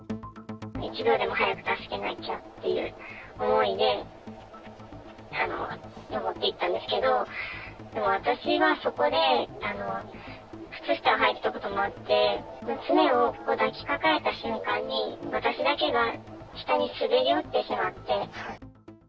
１秒でも早く助けなきゃっていう思いで、登っていったんですけど、私がそこで、靴下をはいてたこともあって、娘を抱きかかえた瞬間に、私だけが下に滑り落ちてしまって。